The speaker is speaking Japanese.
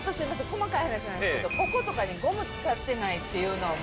細かい話なんですけどこことかにゴム使ってないっていうのも。